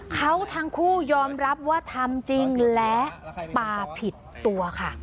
เขาทั้งคู่ยอมรับว่าทำจริงและปลาผิดตัวค่ะ